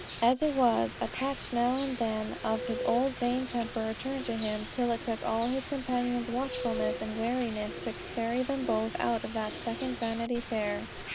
As it was, a touch now and then of his old vain temper returned to him till it took all his companion's watchfulness and wariness to carry them both out of that second Vanity Fair.